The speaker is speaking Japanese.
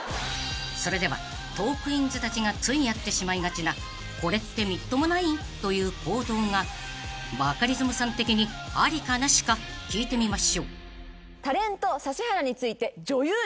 ［それではトークィーンズたちがついやってしまいがちなこれってみっともない？という行動がバカリズムさん的にありかなしか聞いてみましょう］